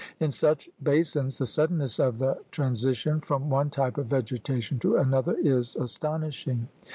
In such basins the suddenness of the transi tion from one type of vegetation to another is as tonishing.